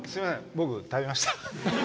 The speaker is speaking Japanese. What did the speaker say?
僕、食べました。